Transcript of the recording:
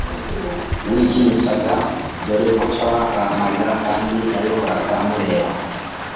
wikinishaga dore ko twararanaga kandi yabikoraga mureba,